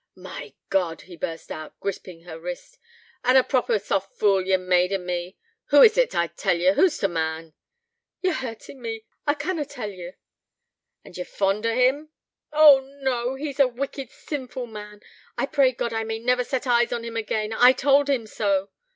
'My God!' he burst out, gripping her wrist, 'an' a proper soft fool ye've made o' me. Who is't, I tell ye? Who's t' man?' 'Ye're hurtin' me. Let me go. I canna tell ye.' 'And ye're fond o' him?' 'No, no. He's a wicked, sinful man. I pray God I may never set eyes on him again. I told him so.'